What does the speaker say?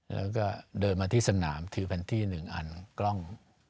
แล้วก็เดินมาที่สนามถือแผนที่๑อันกล้อง